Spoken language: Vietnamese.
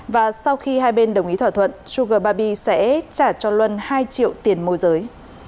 và sau khi hai bên đồng ý thỏa thuận suga baby sẽ trả cho luân hai triệu tiền môi giới